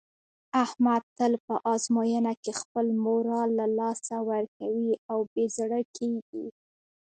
احمد تل په ازموینه کې خپل مورال له لاسه ورکوي او بې زړه کېږي.